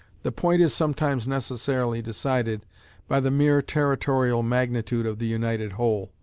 The point is sometimes necessarily decided by the mere territorial magnitude of the united whole.